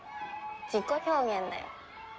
自己表現だよ。